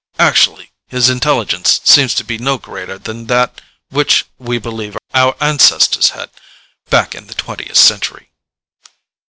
"Actually, his intelligence seems to be no greater than that which we believe our ancestors had, back in the twentieth century."